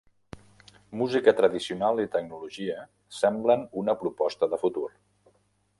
Música tradicional i tecnologia semblen una proposta de futur.